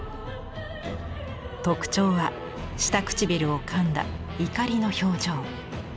特徴は下唇をかんだ怒りの表情。